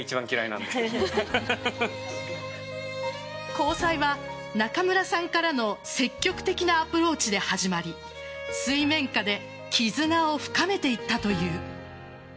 交際は中村さんからの積極的なアプローチで始まり水面下で絆を深めていったという。